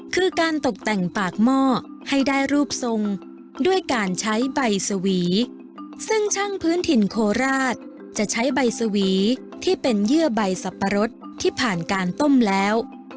คือการตกแต่งปากหม้อให้ได้รูปทรงด้วยการใช้ใบสวีซึ่งช่างพื้นถิ่นโคราชจะใช้ใบสวีที่เป็นเยื่อใบสับปะรดที่ผ่านการต้มแล้ว